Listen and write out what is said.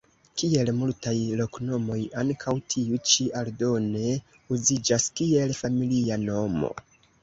Kiel multaj loknomoj, ankaŭ tiu ĉi aldone uziĝas kiel familia nomo.